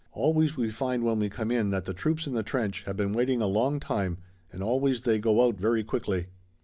Always we find when we come in that the troops in the trench have been waiting a long time and always they go out very quickly."